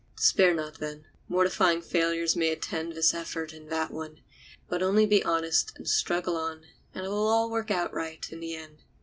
Despair not, then. Mortifying failures may attend this effort and that one, but only be honest and struggle on, and it will all work out right in the end.